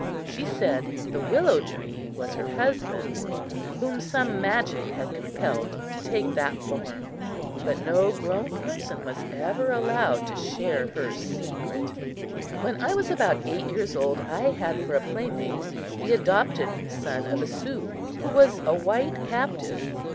She said the willow tree was her husband, whom some magic had compelled to take that form; but no grown person was ever allowed to share her secret. When I was about eight years old I had for a playmate the adopted son of a Sioux, who was a white captive.